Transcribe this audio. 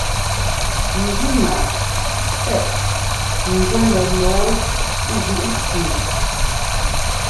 Njínaa cʉ́ɛt nzɛ́ nɛ lɔ̌ɔ jʉʼ cʉʉ.